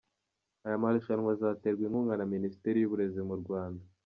Aya marushanwa azaterwa inkunga na Minisiteri y’u Burezi mu Rwanda.